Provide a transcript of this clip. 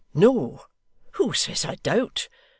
No. Who says I doubt?